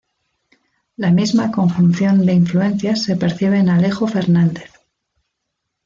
La misma conjunción de influencias se percibe en Alejo Fernández.